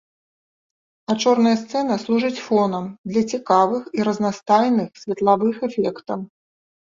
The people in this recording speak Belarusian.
А чорная сцэна служыць фонам для цікавых і разнастайных светлавых эфектаў.